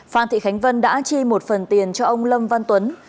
phan thị khánh vân đã chi một phần tiền cho ông lâm văn tuấn